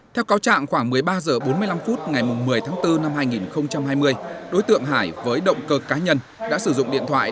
theo cáo trạng khoảng một mươi ba h bốn mươi năm phút ngày một mươi tháng bốn năm hai nghìn hai mươi đối tượng hải với động cơ cá nhân đã sử dụng điện thoại